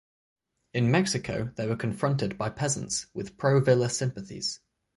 In Mexico they were confronted by peasants with pro Villa sympathies.